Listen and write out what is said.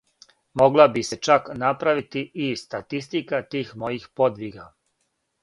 Могла би се чак направити и статистика тих мојих подвига.